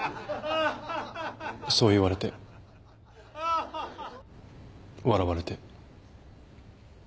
そう言われて笑われて。